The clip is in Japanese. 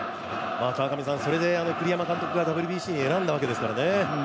それで栗山監督がＷＢＣに選んだわけですからね。